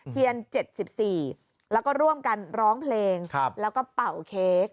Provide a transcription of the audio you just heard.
เทียน๗๔แล้วก็ร่วมกันร้องเพลงแล้วก็เป่าเค้ก